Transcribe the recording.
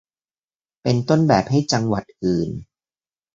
เป็นต้นแบบให้จังหวัดอื่น